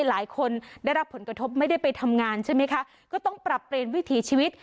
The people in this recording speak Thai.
หลายคนได้รับผลกระทบไม่ได้ไปทำงานใช่ไหมคะก็ต้องปรับเปลี่ยนวิถีชีวิต